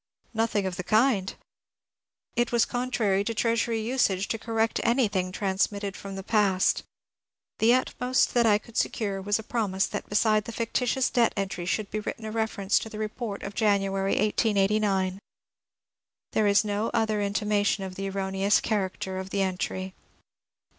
Nothing of the kind ! It was contrary to Treasury usage to correct anything transmit ted from the past. The utmost that I could secure was a pro mise that beside the fictitious debt entry should be written a reference to the report of January, 1889. There is no other intimation of the erroneous character of the entry.